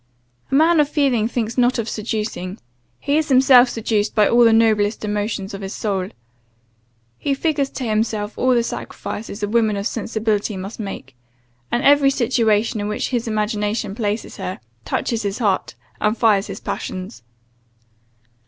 A man of feeling thinks not of seducing, he is himself seduced by all the noblest emotions of his soul. He figures to himself all the sacrifices a woman of sensibility must make, and every situation in which his imagination places her, touches his heart, and fires his passions.